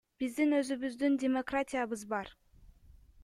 Биздин өзүбүздүн демократиябыз бар.